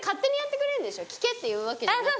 「聞け」って言うわけじゃなくて。